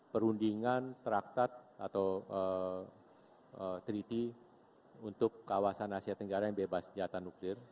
perundingan traktat atau treaty untuk kawasan asia tenggara yang bebas senjata nuklir